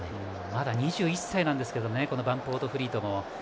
まだ２１歳なんですけどねバンポートフリートも。